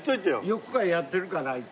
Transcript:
横川やってるからあいつ。